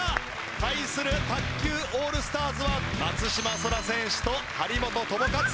対する卓球オールスターズは松島輝空選手と張本智和選手です。